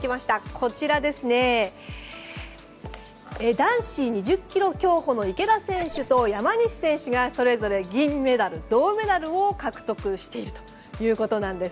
こちら男子２０ｋｍ競歩の池田選手と山西選手がそれぞれ銀メダル、銅メダルを獲得しているということなんです。